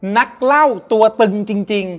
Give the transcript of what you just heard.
นักเล่าตัวตึงจริง